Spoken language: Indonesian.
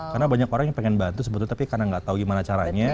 karena banyak orang yang pengen bantu sebetulnya tapi karena nggak tau gimana caranya